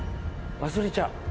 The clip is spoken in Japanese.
忘れちゃう。